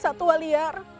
yang buruh satu aliar